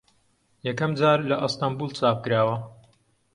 یەکەم جار لە ئەستەمبوڵ چاپ کراوە